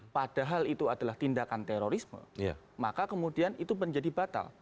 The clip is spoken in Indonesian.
padahal itu adalah tindakan terorisme maka kemudian itu menjadi batal